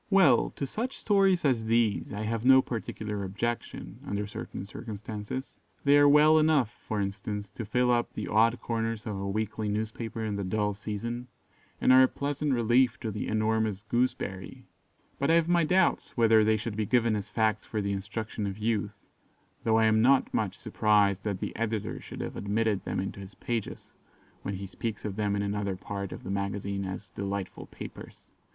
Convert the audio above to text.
Well, to such stories as these I have no particular objection, under certain circumstances. They are well enough, for instance, to fill up the odd corners of a weekly newspaper in the dull season, and are a pleasant relief to the 'enormous gooseberry'; but I have my doubts whether they should be given as facts for the instruction of youth, though I am not much surprised that the editor should have admitted them into his pages, when he speaks of them in another part of the magazine as "delightful papers."